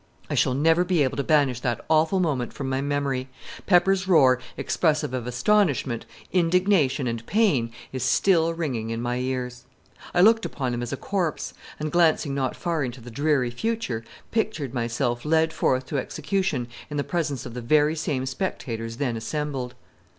I shall never be able to banish that awful moment from my memory. Pepper's roar, expressive of astonishment, indignation, and pain, is still ringing in my cars. I looked upon him as a corpse, and, glancing not far into the dreary future, pictured myself led forth to execution in the presence of the very same spectators then assembled.